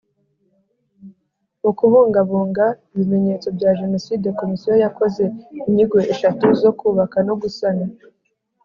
Mu kubungabunga ibimenyetso bya Jenoside Komisiyo yakoze inyigo eshatu zo kubaka no gusana